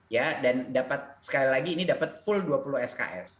ya dan dapat sekali lagi ini dapat full dua puluh sks